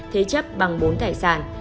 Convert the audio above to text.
thế chấp bằng bốn tài sản